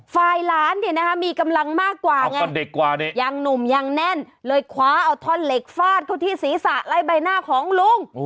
ฝ่ายหลานมีกำลังมากกว่ายังหนุ่มยังแน่นเลยคว้าเอาท่อนเหล็กฟาดเข้าที่ศีรษะไล่ใบหน้าของลุง